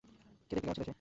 দেখতে কেমন ছিলো সে?